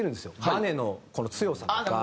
バネの強さとか。